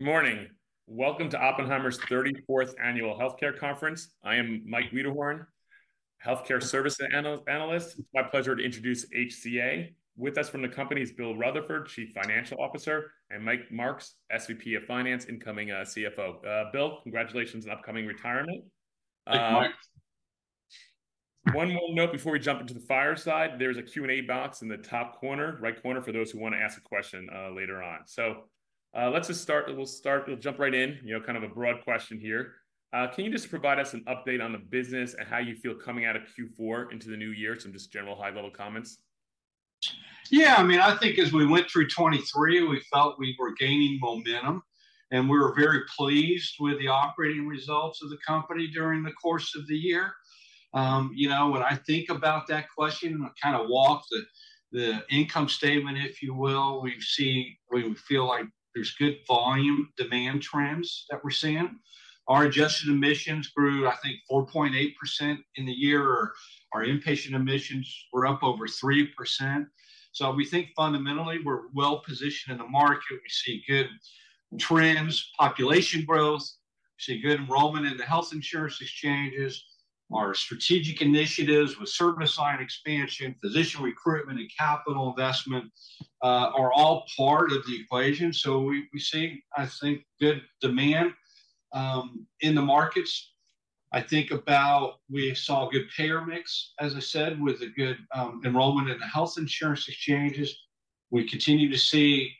Morning. Welcome to Oppenheimer's 34th Annual Healthcare Conference. I am Mike Wiederhorn, healthcare service analyst. It's my pleasure to introduce HCA. With us from the company is Bill Rutherford, Chief Financial Officer, and Mike Marks, SVP of Finance, incoming CFO. Bill, congratulations on upcoming retirement. Thanks, Mike. One more note before we jump into the fireside. There's a Q&A box in the top right corner for those who want to ask a question later on. So let's just start. We'll start. We'll jump right in, you know, kind of a broad question here. Can you just provide us an update on the business and how you feel coming out of Q4 into the new year? Some just general high-level comments. Yeah, I mean, I think as we went through 2023, we felt we were gaining momentum. And we were very pleased with the operating results of the company during the course of the year. You know, when I think about that question and kind of walk the income statement, if you will, we feel like there's good volume demand trends that we're seeing. Our adjusted admissions grew, I think, 4.8% in the year. Our inpatient admissions were up over 3%. So we think fundamentally we're well positioned in the market. We see good trends, population growth. We see good enrollment in the health insurance exchanges. Our strategic initiatives with service line expansion, physician recruitment, and capital investment are all part of the equation. So we see, I think, good demand in the markets. I think about we saw a good payer mix, as I said, with a good enrollment in the health insurance exchanges. We continue to see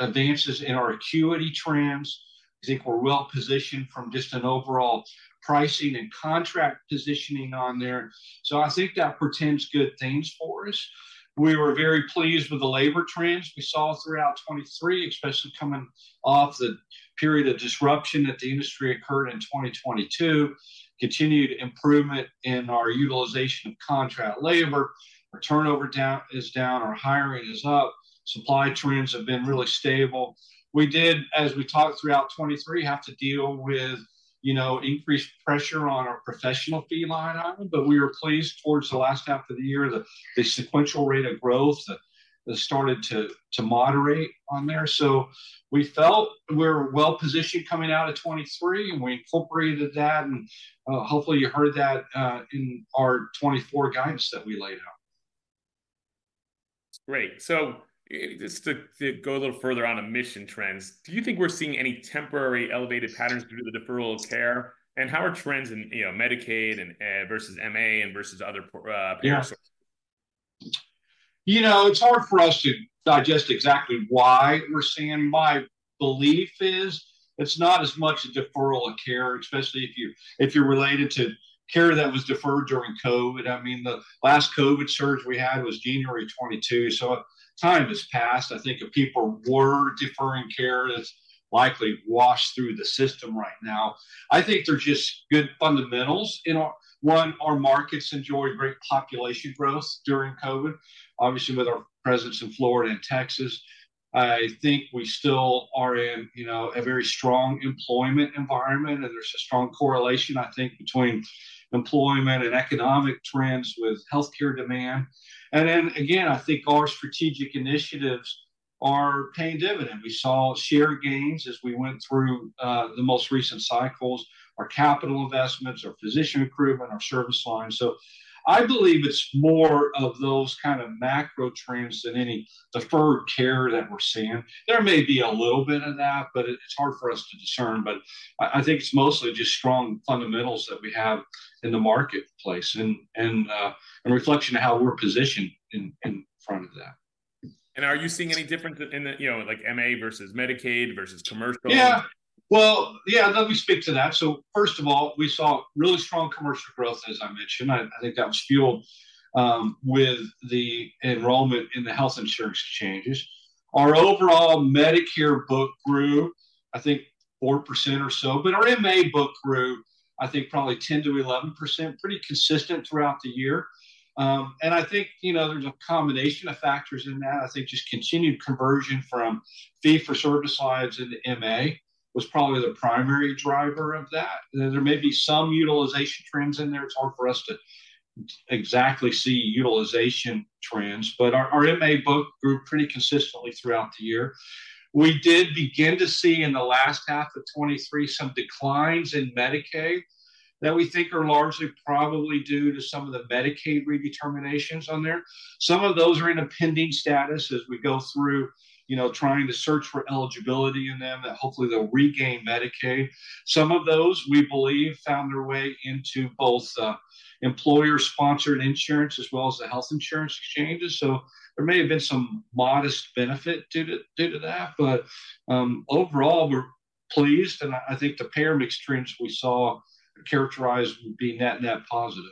advances in our acuity trends. I think we're well positioned from just an overall pricing and contract positioning on there. So I think that portends good things for us. We were very pleased with the labor trends we saw throughout 2023, especially coming off the period of disruption that the industry occurred in 2022. Continued improvement in our utilization of contract labor. Our turnover is down. Our hiring is up. Supply trends have been really stable. We did, as we talked throughout 2023, have to deal with, you know, increased pressure on our professional fee line. But we were pleased towards the last half of the year, the sequential rate of growth that started to moderate on there. We felt we were well positioned coming out of 2023, and we incorporated that. Hopefully you heard that in our 2024 guidance that we laid out. Great. So just to go a little further on admission trends, do you think we're seeing any temporary elevated patterns due to the deferral of care? And how are trends in, you know, Medicaid versus MA and versus other payer sources? You know, it's hard for us to digest exactly why we're seeing them. My belief is it's not as much a deferral of care, especially if you're related to care that was deferred during COVID. I mean, the last COVID surge we had was January 2022. So time has passed. I think if people were deferring care, it's likely washed through the system right now. I think there's just good fundamentals. One, our markets enjoyed great population growth during COVID, obviously with our presence in Florida and Texas. I think we still are in, you know, a very strong employment environment, and there's a strong correlation, I think, between employment and economic trends with healthcare demand. And then again, I think our strategic initiatives are paying dividend. We saw share gains as we went through the most recent cycles. Our capital investments, our physician recruitment, our service line. I believe it's more of those kind of macro trends than any deferred care that we're seeing. There may be a little bit of that, but it's hard for us to discern. I think it's mostly just strong fundamentals that we have in the marketplace and a reflection of how we're positioned in front of that. Are you seeing any difference in the, you know, like MA versus Medicaid versus commercial? Yeah. Well, yeah, let me speak to that. So first of all, we saw really strong commercial growth, as I mentioned. I think that was fueled with the enrollment in the health insurance exchanges. Our overall Medicare book grew, I think, 4% or so. But our MA book grew, I think, probably 10%-11%, pretty consistent throughout the year. And I think, you know, there's a combination of factors in that. I think just continued conversion from fee-for-service lines into MA was probably the primary driver of that. There may be some utilization trends in there. It's hard for us to exactly see utilization trends. But our MA book grew pretty consistently throughout the year. We did begin to see in the last half of 2023 some declines in Medicaid that we think are largely probably due to some of the Medicaid redeterminations on there. Some of those are in a pending status as we go through, you know, trying to search for eligibility in them that hopefully they'll regain Medicaid. Some of those, we believe, found their way into both employer-sponsored insurance as well as the health insurance exchanges. So there may have been some modest benefit due to that. But overall, we're pleased. And I think the payer mix trends we saw characterized would be net-net positive.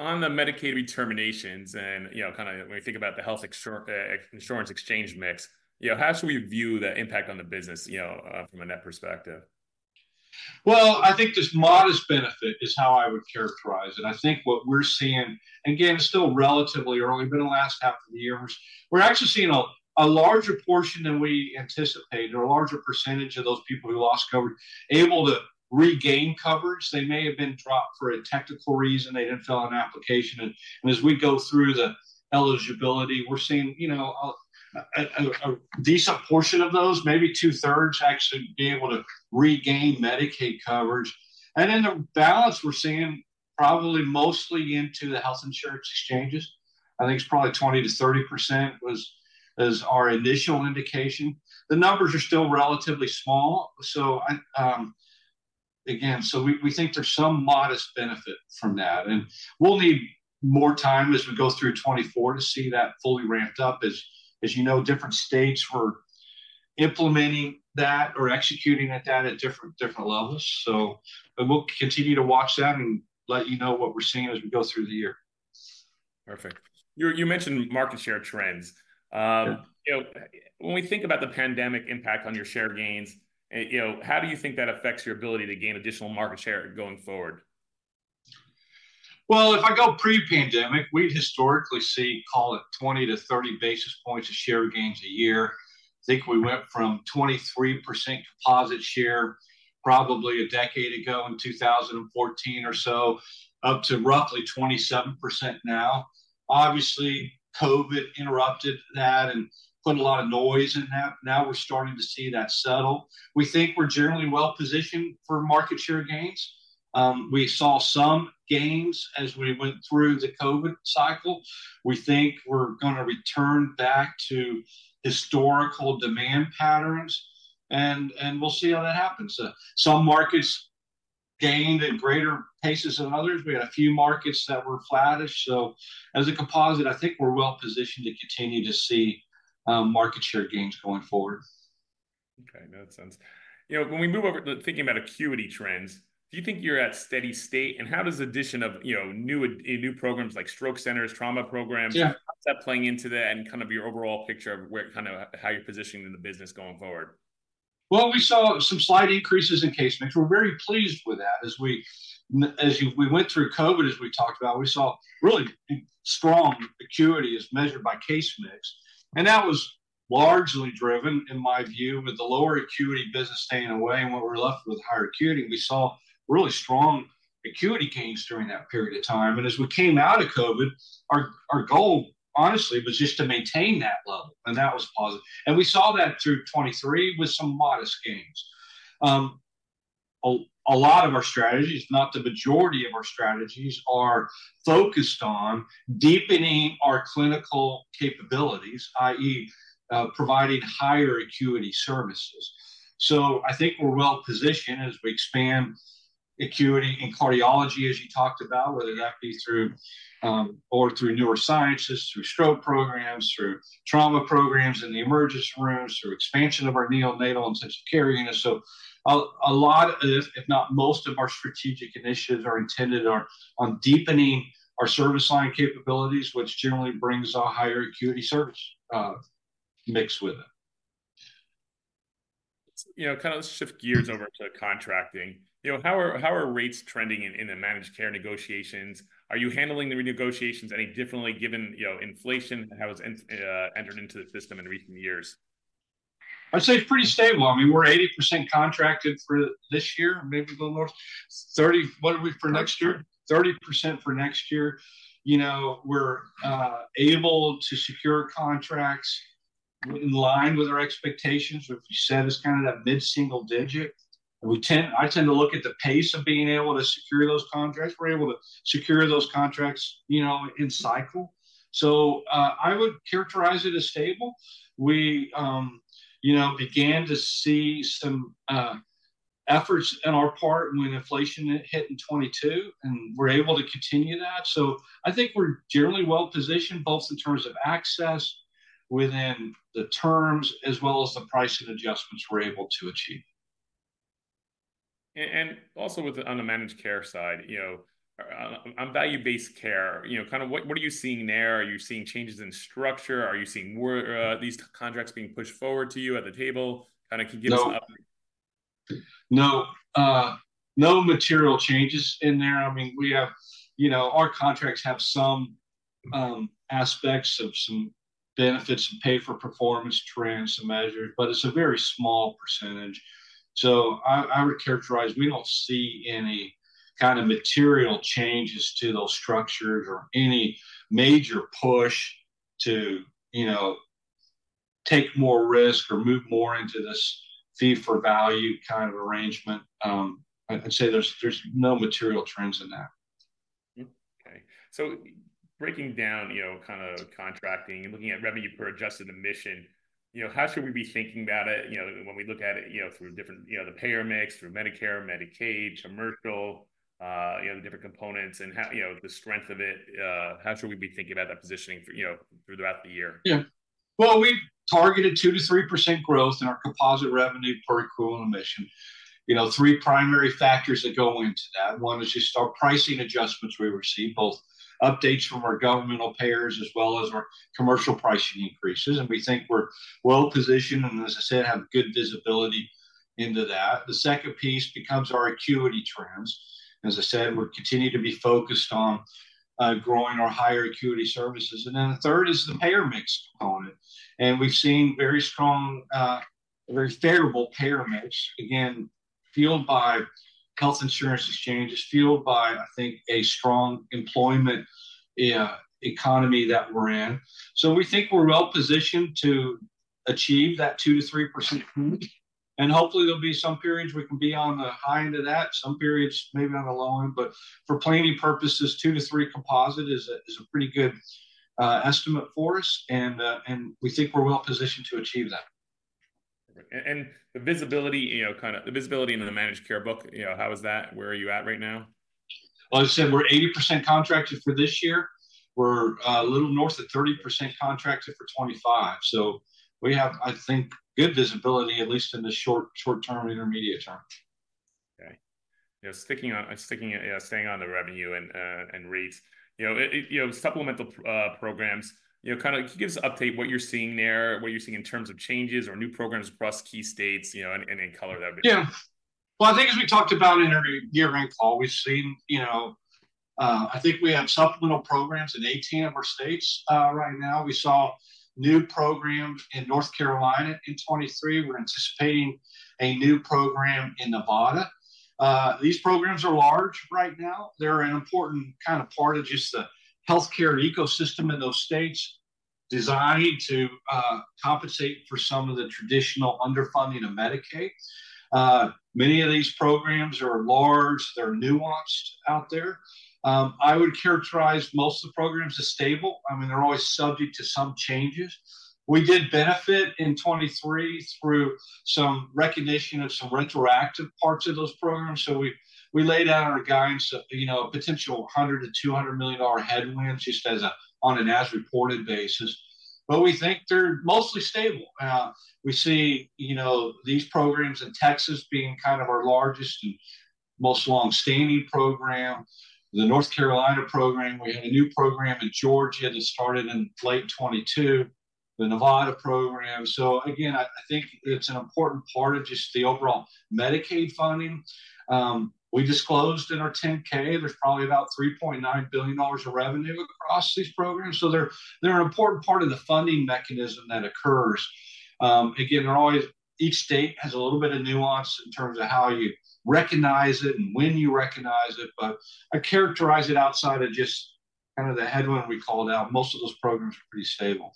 On the Medicaid determinations and, you know, kind of when we think about the health insurance exchange mix, you know, how should we view the impact on the business, you know, from a net perspective? Well, I think this modest benefit is how I would characterize it. I think what we're seeing again, it's still relatively early. It's been the last half of the year. We're actually seeing a larger portion than we anticipated or a larger percentage of those people who lost coverage able to regain coverage. They may have been dropped for a technical reason. They didn't fill out an application. And as we go through the eligibility, we're seeing, you know, a decent portion of those, maybe two-third, actually be able to regain Medicaid coverage. And then the balance we're seeing probably mostly into the health insurance exchanges. I think it's probably 20%-30% was our initial indication. The numbers are still relatively small. So again, so we think there's some modest benefit from that. And we'll need more time as we go through 2024 to see that fully ramped up. As you know, different states were implementing that or executing at that different levels. We'll continue to watch that and let you know what we're seeing as we go through the year. Perfect. You mentioned market share trends. You know, when we think about the pandemic impact on your share gains, you know, how do you think that affects your ability to gain additional market share going forward? Well, if I go pre-pandemic, we'd historically see, call it, 20 basis points-30 basis points of share gains a year. I think we went from 23% composite share probably a decade ago in 2014 or so up to roughly 27% now. Obviously, COVID interrupted that and put a lot of noise in that. Now we're starting to see that settle. We think we're generally well positioned for market share gains. We saw some gains as we went through the COVID cycle. We think we're going to return back to historical demand patterns. And we'll see how that happens. Some markets gained at greater paces than others. We had a few markets that were flattish. So as a composite, I think we're well positioned to continue to see market share gains going forward. Okay. That makes sense. You know, when we move over to thinking about acuity trends, do you think you're at steady state? And how does the addition of, you know, new programs like stroke centers, trauma programs, how's that playing into that and kind of your overall picture of kind of how you're positioning in the business going forward? Well, we saw some slight increases in case mix. We're very pleased with that. As we went through COVID, as we talked about, we saw really strong acuity as measured by case mix. That was largely driven, in my view, with the lower acuity business staying away and what we were left with higher acuity. We saw really strong acuity gains during that period of time. As we came out of COVID, our goal, honestly, was just to maintain that level. That was positive. We saw that through 2023 with some modest gains. A lot of our strategies, not the majority of our strategies, are focused on deepening our clinical capabilities, i.e., providing higher acuity services. So I think we're well positioned as we expand acuity in cardiology, as you talked about, whether that be through or through neurosciences, through stroke programs, through trauma programs in the emergency rooms, through expansion of our neonatal intensive care units. So a lot of, if not most, of our strategic initiatives are intended on deepening our service line capabilities, which generally brings a higher acuity service mix with it. You know, kind of shift gears over to contracting. You know, how are rates trending in the managed care negotiations? Are you handling the renegotiations any differently given, you know, inflation and how it's entered into the system in recent years? I'd say it's pretty stable. I mean, we're 80% contracted for this year, maybe a little more. What are we for next year? 30% for next year. You know, we're able to secure contracts in line with our expectations, which we said is kind of that mid-single digit. I tend to look at the pace of being able to secure those contracts. We're able to secure those contracts, you know, in cycle. So I would characterize it as stable. We, you know, began to see some efforts on our part when inflation hit in 2022, and we're able to continue that. So I think we're generally well positioned both in terms of access within the terms as well as the pricing adjustments we're able to achieve. Also on the managed care side, you know, on value-based care, you know, kind of what are you seeing there? Are you seeing changes in structure? Are you seeing these contracts being pushed forward to you at the table? Kind of can give us an update. No. No. No material changes in there. I mean, we have, you know, our contracts have some aspects of some benefits, some pay-for-performance trends, some measures, but it's a very small percentage. So I would characterize we don't see any kind of material changes to those structures or any major push to, you know, take more risk or move more into this fee-for-value kind of arrangement. I'd say there's no material trends in that. Okay. So breaking down, you know, kind of contracting and looking at revenue per adjusted admission, you know, how should we be thinking about it, you know, when we look at it, you know, through different, you know, the payer mix, through Medicare, Medicaid, commercial, you know, the different components, and how, you know, the strength of it? How should we be thinking about that positioning, you know, throughout the year? Yeah. Well, we've targeted 2%-3% growth in our composite revenue per adjusted admission. You know, three primary factors that go into that. One is just our pricing adjustments we receive, both updates from our governmental payers as well as our commercial pricing increases. And we think we're well positioned and, as I said, have good visibility into that. The second piece becomes our acuity trends. As I said, we continue to be focused on growing our higher acuity services. And then the third is the payer mix component. And we've seen very strong, very favorable payer mix, again, fueled by health insurance exchanges, fueled by, I think, a strong employment economy that we're in. So we think we're well positioned to achieve that 2%-3%. Hopefully, there'll be some periods we can be on the high end of that, some periods maybe on the low end. For planning purposes, 2-3 composite is a pretty good estimate for us. We think we're well positioned to achieve that. The visibility, you know, kind of the visibility in the managed care book, you know, how is that? Where are you at right now? Well, as I said, we're 80% contracted for this year. We're a little north of 30% contracted for 2025. So we have, I think, good visibility, at least in the short-term and intermediate term. Okay. You know, sticking on, yeah, staying on the revenue and rates, you know, you know, supplemental programs, you know, kind of give us an update what you're seeing there, what you're seeing in terms of changes or new programs across key states, you know, and in color that would be. Yeah. Well, I think as we talked about in our year-end call, we've seen, you know, I think we have supplemental programs in 18 of our states right now. We saw new programs in North Carolina in 2023. We're anticipating a new program in Nevada. These programs are large right now. They're an important kind of part of just the healthcare ecosystem in those states designed to compensate for some of the traditional underfunding of Medicaid. Many of these programs are large. They're nuanced out there. I would characterize most of the programs as stable. I mean, they're always subject to some changes. We did benefit in 2023 through some recognition of some retroactive parts of those programs. So we laid out our guidance of, you know, a potential $100 million-$200 million headwinds just as a on an as-reported basis. But we think they're mostly stable. We see, you know, these programs in Texas being kind of our largest and most longstanding program, the North Carolina program. We had a new program in Georgia that started in late 2022, the Nevada program. So again, I think it's an important part of just the overall Medicaid funding. We disclosed in our 10-K, there's probably about $3.9 billion of revenue across these programs. So they're an important part of the funding mechanism that occurs. Again, they're always each state has a little bit of nuance in terms of how you recognize it and when you recognize it. But I characterize it outside of just kind of the headwind we called out. Most of those programs are pretty stable.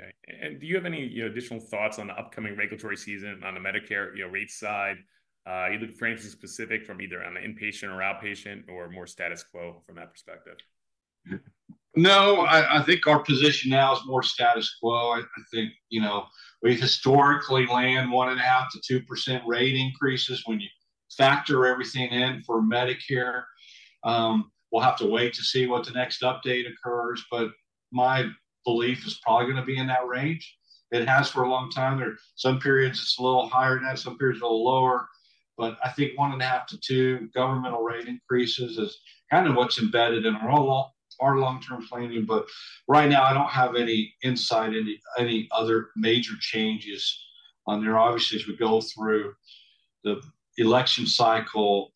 Okay. Do you have any, you know, additional thoughts on the upcoming regulatory season on the Medicare, you know, rate side? Either for answers specific from either on the inpatient or outpatient or more status quo from that perspective? No. I think our position now is more status quo. I think, you know, we historically land 1.5%-2% rate increases when you factor everything in for Medicare. We'll have to wait to see what the next update occurs. But my belief is probably going to be in that range. It has for a long time. There are some periods it's a little higher than that. Some periods a little lower. But I think 1.5%-2% governmental rate increases is kind of what's embedded in our long-term planning. But right now, I don't have any insight into any other major changes on there. Obviously, as we go through the election cycle,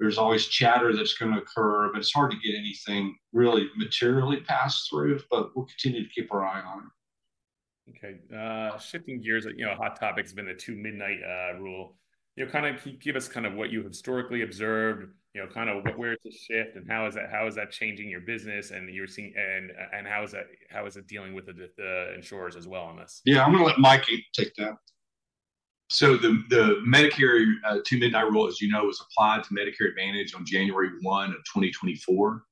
there's always chatter that's going to occur. But it's hard to get anything really materially passed through. But we'll continue to keep our eye on it. Okay. Shifting gears, you know, a hot topic has been the Two-Midnight Rule. You know, kind of give us kind of what you have historically observed, you know, kind of where it's a shift and how is that changing your business and how is it dealing with the insurers as well on this? Yeah. I'm going to let Mike take that. So the Medicare Two-Midnight Rule, as you know, was applied to Medicare Advantage on January 1, 2024.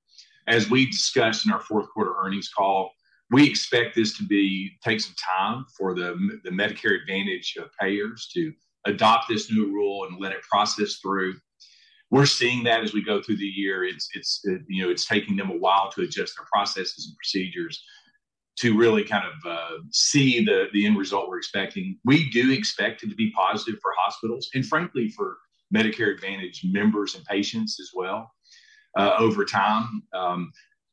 As we discussed in our fourth-quarter earnings call, we expect this to take some time for the Medicare Advantage payers to adopt this new rule and let it process through. We're seeing that as we go through the year. It's, you know, it's taking them a while to adjust their processes and procedures to really kind of see the end result we're expecting. We do expect it to be positive for hospitals and, frankly, for Medicare Advantage members and patients as well over time.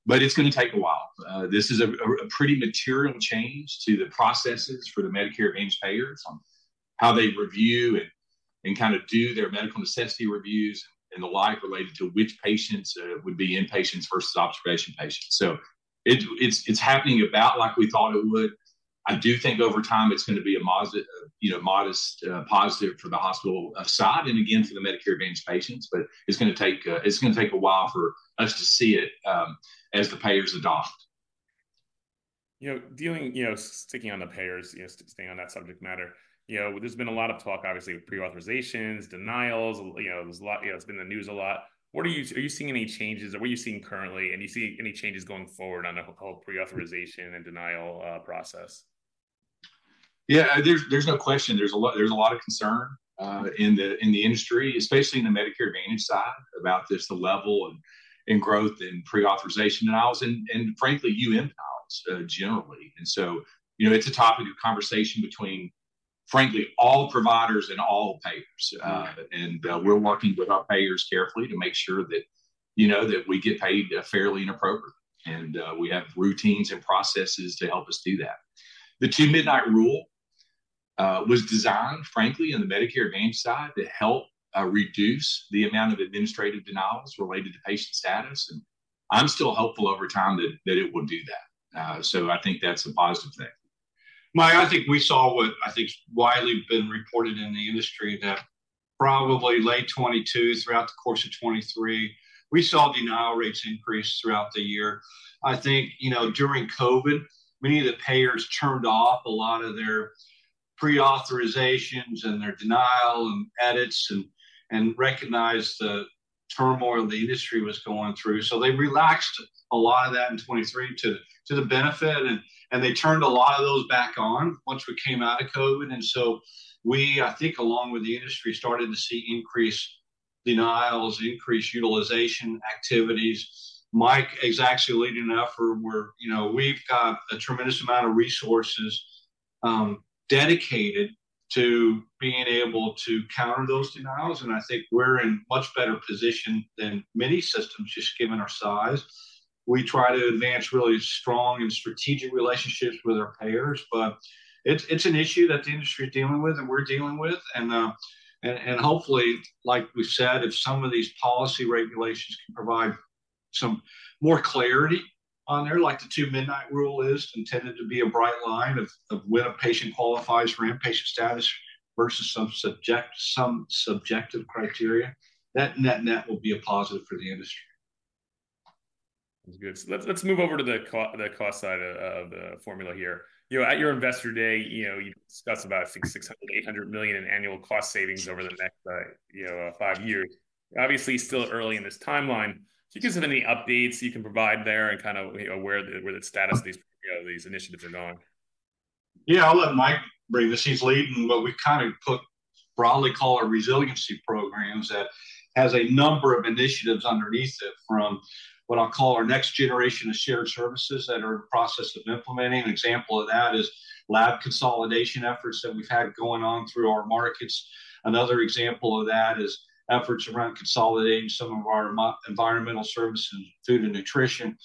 But it's going to take a while. This is a pretty material change to the processes for the Medicare Advantage payers on how they review and kind of do their medical necessity reviews and the like related to which patients would be inpatients versus observation patients. So it's happening about like we thought it would. I do think over time, it's going to be a, you know, modest positive for the hospital side and, again, for the Medicare Advantage patients. But it's going to take a while for us to see it as the payers adopt. You know, dealing, you know, sticking on the payers, you know, staying on that subject matter, you know, there's been a lot of talk, obviously, with pre-authorizations, denials. You know, there's a lot, you know, it's been in the news a lot. What are you seeing any changes or what are you seeing currently? And do you see any changes going forward on the whole pre-authorization and denial process? Yeah. There's no question. There's a lot of concern in the industry, especially in the Medicare Advantage side about just the level of growth and pre-authorization denials and, frankly, denials generally. And so, you know, it's a topic of conversation between, frankly, all providers and all payers. And we're working with our payers carefully to make sure that, you know, that we get paid fairly and appropriately. And we have routines and processes to help us do that. The Two-Midnight Rule was designed, frankly, on the Medicare Advantage side to help reduce the amount of administrative denials related to patient status. And I'm still hopeful over time that it will do that. So I think that's a positive thing. Mike, I think we saw what I think widely has been reported in the industry that probably late 2022 throughout the course of 2023, we saw denial rates increase throughout the year. I think, you know, during COVID, many of the payers turned off a lot of their pre-authorizations and their denial and edits and recognized the turmoil the industry was going through. So they relaxed a lot of that in 2023 to the benefit. And they turned a lot of those back on once we came out of COVID. And so we, I think, along with the industry, started to see increased denials, increased utilization activities. Mike, exactly leading an effort where, you know, we've got a tremendous amount of resources dedicated to being able to counter those denials. And I think we're in much better position than many systems just given our size. We try to advance really strong and strategic relationships with our payers. But it's an issue that the industry is dealing with and we're dealing with. And hopefully, like we said, if some of these policy regulations can provide some more clarity on there, like the Two-Midnight Rule is intended to be a bright line of when a patient qualifies for inpatient status versus some subjective criteria, that net will be a positive for the industry. Sounds good. So let's move over to the cost side of the formula here. You know, at your Investor Day, you know, you discussed about, I think, $600 billion in annual cost savings over the next, you know, five years. Obviously, still early in this timeline. If you can give us any updates you can provide there and kind of where the status of these initiatives are going. Yeah. I'll let Mike bring this. He's leading what we kind of broadly call our resiliency programs that has a number of initiatives underneath it from what I'll call our next generation of shared services that are in the process of implementing. An example of that is lab consolidation efforts that we've had going on through our markets. Another example of that is efforts around consolidating some of our environmental services and food and nutrition.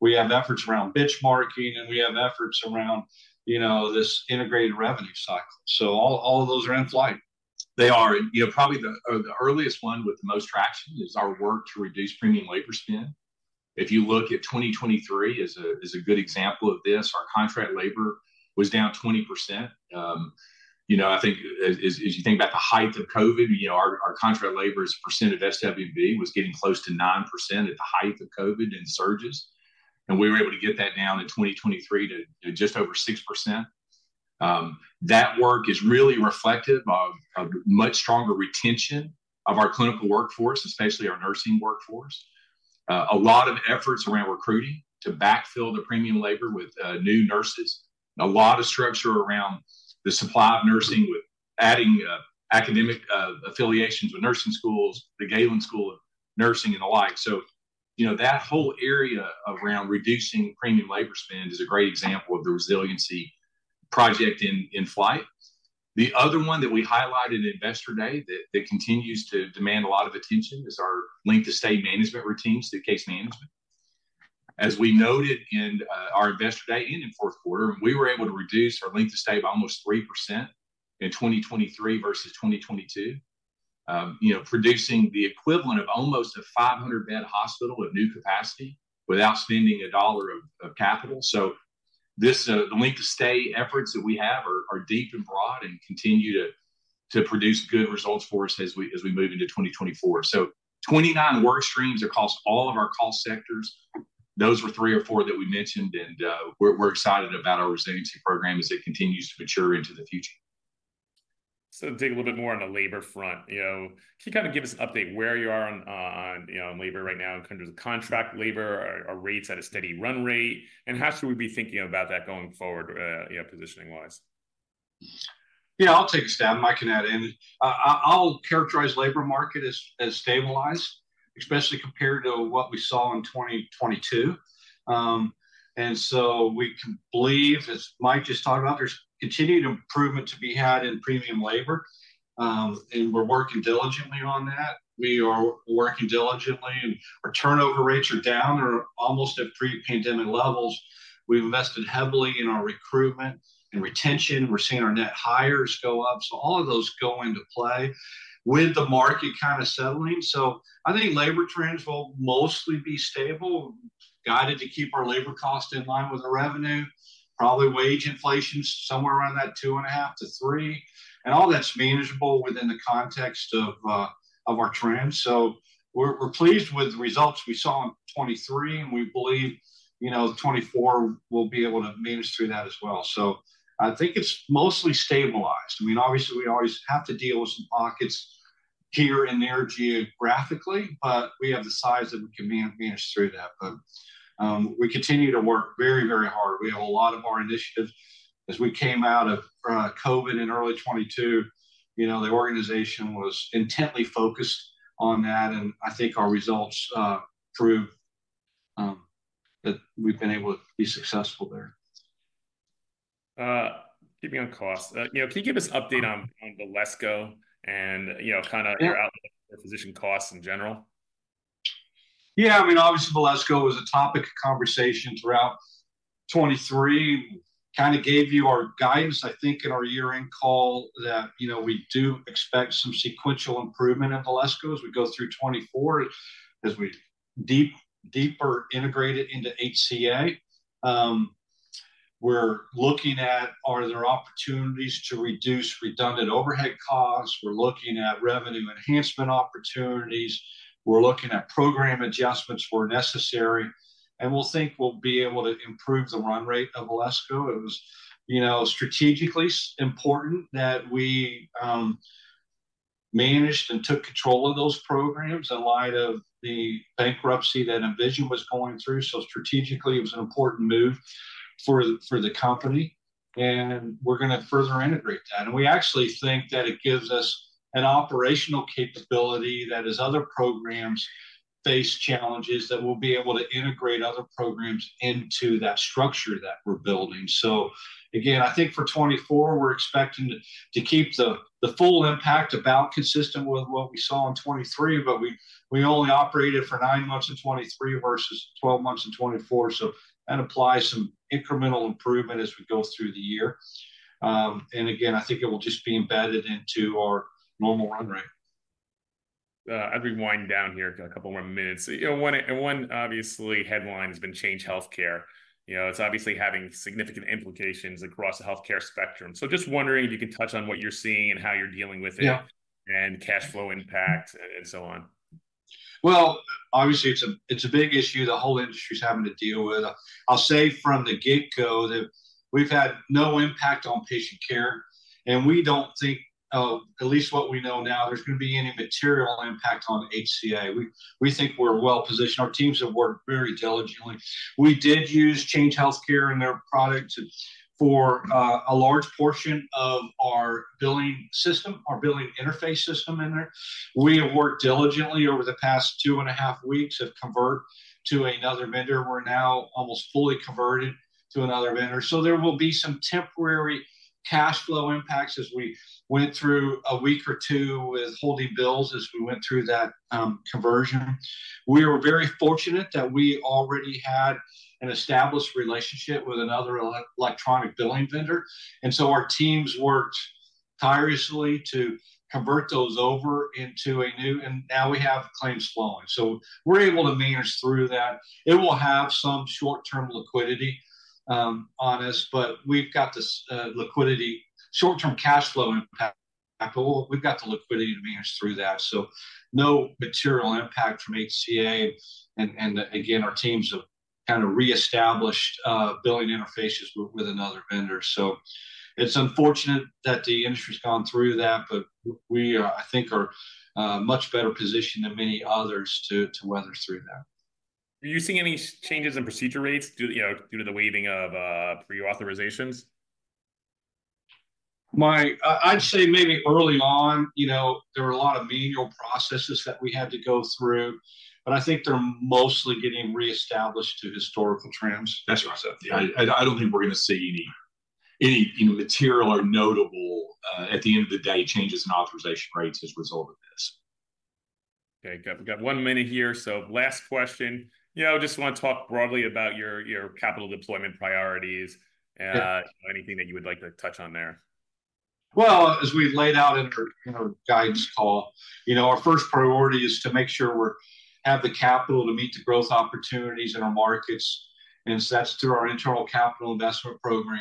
We have efforts around benchmarking, and we have efforts around, you know, this integrated revenue cycle. So all of those are in flight. They are. You know, probably the earliest one with the most traction is our work to reduce premium labor spend. If you look at 2023 is a good example of this. Our contract labor was down 20%. You know, I think as you think about the height of COVID, you know, our contract labor as a percent of SWB was getting close to 9% at the height of COVID and surges. We were able to get that down in 2023 to just over 6%. That work is really reflective of much stronger retention of our clinical workforce, especially our nursing workforce. A lot of efforts around recruiting to backfill the premium labor with new nurses. A lot of structure around the supply of nursing with adding academic affiliations with nursing schools, the Galen College of Nursing, and the like. So, you know, that whole area around reducing premium labor spend is a great example of the resiliency project in flight. The other one that we highlighted in Investor Day that continues to demand a lot of attention is our length of stay management routines, the case management. As we noted in our Investor Day in the fourth quarter, we were able to reduce our length of stay by almost 3% in 2023 versus 2022, you know, producing the equivalent of almost a 500-bed hospital of new capacity without spending a dollar of capital. So the length of stay efforts that we have are deep and broad and continue to produce good results for us as we move into 2024. So 29 work streams across all of our cost sectors. Those were three or four that we mentioned. And we're excited about our resiliency program as it continues to mature into the future. To dig a little bit more on the labor front, you know, can you kind of give us an update where you are on labor right now in terms of contract labor, are rates at a steady run rate, and how should we be thinking about that going forward, you know, positioning-wise? Yeah. I'll take a stab. Mike can add in. I'll characterize the labor market as stabilized, especially compared to what we saw in 2022. And so we believe, as Mike just talked about, there's continued improvement to be had in premium labor. And we're working diligently on that. We are working diligently. And our turnover rates are down. They're almost at pre-pandemic levels. We've invested heavily in our recruitment and retention. We're seeing our net hires go up. So all of those go into play with the market kind of settling. So I think labor trends will mostly be stable, guided to keep our labor costs in line with our revenue, probably wage inflation somewhere around that 2.5-3. And all that's manageable within the context of our trends. So we're pleased with the results we saw in 2023. We believe, you know, 2024 will be able to manage through that as well. So I think it's mostly stabilized. I mean, obviously, we always have to deal with some pockets here and there geographically. But we have the size that we can manage through that. But we continue to work very, very hard. We have a lot of our initiatives. As we came out of COVID in early 2022, you know, the organization was intently focused on that. And I think our results prove that we've been able to be successful there. Keeping on costs. You know, can you give us an update on Valesco and, you know, kind of your outlook for physician costs in general? Yeah. I mean, obviously, Valesco was a topic of conversation throughout 2023 and kind of gave you our guidance, I think, in our year-end call that, you know, we do expect some sequential improvement in Valesco as we go through 2024 as we deeper integrate it into HCA. We're looking at are there opportunities to reduce redundant overhead costs? We're looking at revenue enhancement opportunities. We're looking at program adjustments where necessary. And we'll think we'll be able to improve the run rate of Valesco. It was, you know, strategically important that we managed and took control of those programs in light of the bankruptcy that Envision was going through. So strategically, it was an important move for the company. And we're going to further integrate that. We actually think that it gives us an operational capability that as other programs face challenges, that we'll be able to integrate other programs into that structure that we're building. Again, I think for 2024, we're expecting to keep the full impact about consistent with what we saw in 2023. We only operated for nine months in 2023 versus 12 months in 2024. That applies some incremental improvement as we go through the year. Again, I think it will just be embedded into our normal run rate. I'd rewind down here a couple more minutes. You know, one obvious headline has been Change Healthcare. You know, it's obviously having significant implications across the healthcare spectrum. So just wondering if you can touch on what you're seeing and how you're dealing with it and cash flow impact and so on. Well, obviously, it's a big issue the whole industry is having to deal with. I'll say from the get-go that we've had no impact on patient care. We don't think, at least what we know now, there's going to be any material impact on HCA. We think we're well positioned. Our teams have worked very diligently. We did use Change Healthcare and their product for a large portion of our billing system, our billing interface system in there. We have worked diligently over the past 2.5 weeks to convert to another vendor. We're now almost fully converted to another vendor. So there will be some temporary cash flow impacts as we went through a week or two withholding bills as we went through that conversion. We were very fortunate that we already had an established relationship with another electronic billing vendor. And so our teams worked tirelessly to convert those over into a new and now we have claims flowing. So we're able to manage through that. It will have some short-term liquidity on us. But we've got the liquidity, short-term cash flow impact. But we've got the liquidity to manage through that. So no material impact from HCA. And again, our teams have kind of reestablished billing interfaces with another vendor. So it's unfortunate that the industry has gone through that. But we, I think, are much better positioned than many others to weather through that. Are you seeing any changes in procedure rates, you know, due to the waiving of pre-authorizations? Mike, I'd say maybe early on, you know, there were a lot of manual processes that we had to go through. But I think they're mostly getting reestablished to historical trends. That's right. I don't think we're going to see any, you know, material or notable at the end of the day changes in authorization rates as a result of this. Okay. We've got one minute here. Last question. You know, I just want to talk broadly about your capital deployment priorities and anything that you would like to touch on there. Well, as we laid out in our guidance call, you know, our first priority is to make sure we have the capital to meet the growth opportunities in our markets. And so that's through our internal capital investment program.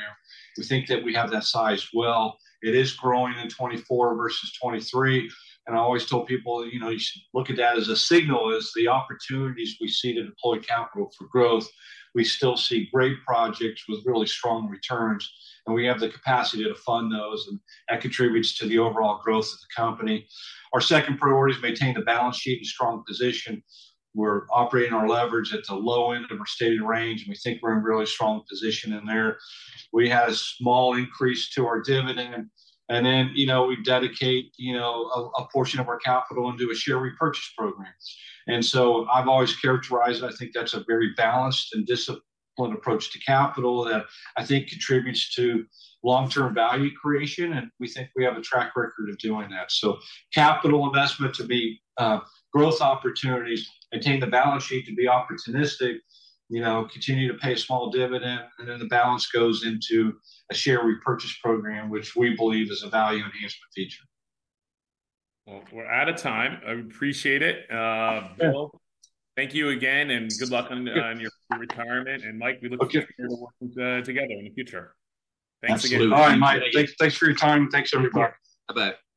We think that we have that size well. It is growing in 2024 versus 2023. And I always tell people, you know, you should look at that as a signal as the opportunities we see to deploy capital for growth. We still see great projects with really strong returns. And we have the capacity to fund those. And that contributes to the overall growth of the company. Our second priority is to maintain the balance sheet in a strong position. We're operating our leverage at the low end of our stated range. And we think we're in a really strong position in there. We had a small increase to our dividend. And then, you know, we dedicate, you know, a portion of our capital into a share repurchase program. And so I've always characterized it. I think that's a very balanced and disciplined approach to capital that I think contributes to long-term value creation. And we think we have a track record of doing that. So capital investment to be growth opportunities, maintain the balance sheet to be opportunistic, you know, continue to pay a small dividend. And then the balance goes into a share repurchase program, which we believe is a value enhancement feature. Well, we're out of time. I appreciate it. Bill, thank you again. Good luck on your retirement. Mike, we look forward to working together in the future. Thanks again. All right, Mike. Thanks for your time. Thanks, everybody. Bye-bye.